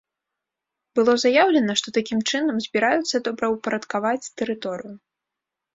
Было заяўлена, што такім чынам збіраюцца добраўпарадкаваць тэрыторыю.